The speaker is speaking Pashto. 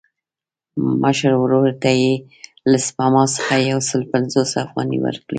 مشر ورور ته یې له سپما څخه یو سل پنځوس افغانۍ ورکړې.